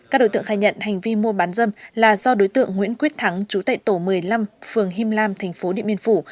các đối tượng khai nhận hành vi mua bán dâm là do đối tượng nguyễn quyết thắng chú tại tổ một mươi năm phường him lam tp điện biên phủ